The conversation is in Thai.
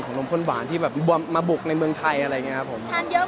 นมข้นหวานที่แบบมาบุกในเมืองไทยอะไรอย่างนี้ครับผม